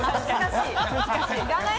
難しい。